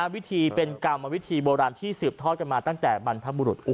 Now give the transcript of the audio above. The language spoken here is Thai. วิธีเป็นกรรมวิธีโบราณที่สืบทอดกันมาตั้งแต่บรรพบุรุษ